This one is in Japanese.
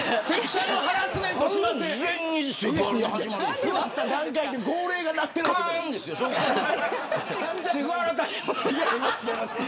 座った段階で号令鳴ってないです。